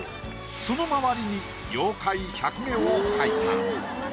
その周りに妖怪百目を描いた。